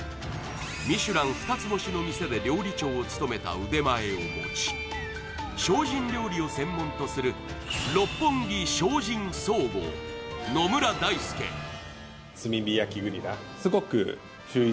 ミシュラン二つ星の店で料理長を務めた腕前を持ち精進料理を専門とする炭火焼きグリラー